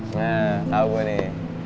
nah tau gue nih